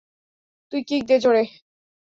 তুই কিক দে, জোরে।